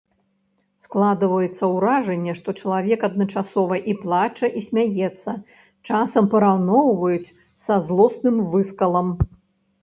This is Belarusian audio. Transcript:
Складваецца ўражанне, што чалавек адначасова і плача, і смяецца, часам параўноўваюць са злосным выскалам.